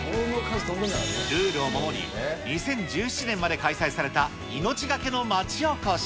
ルールを守り、２０１７年まで開催された命がけの町おこし。